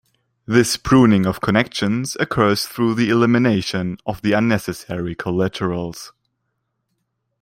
This pruning of connections occurs through the elimination of the unnecessary collaterals.